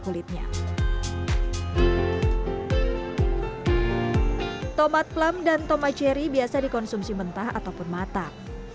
kulitnya tomat plam dan tomat cherry biasa dikonsumsi mentah ataupun matang